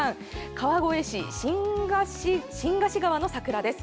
川越市、新河岸川の桜です。